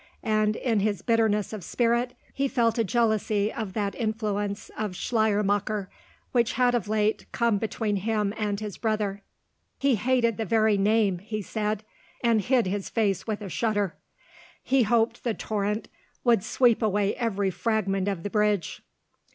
And in his bitterness of spirit he felt a jealousy of that influence of Schleiermacher, which had of late come between him and his brother. He hated the very name, he said, and hid his face with a shudder. He hoped the torrent would sweep away every fragment of the bridge.